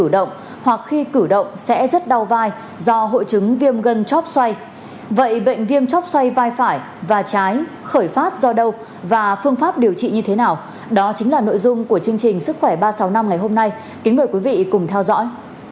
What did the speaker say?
đó chính là nội dung của chương trình sức khỏe ba trăm sáu mươi năm ngày hôm nay kính mời quý vị cùng theo dõi